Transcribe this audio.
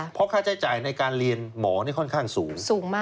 เพราะค่าใช้จ่ายในการเรียนหมอนี่ค่อนข้างสูงมาก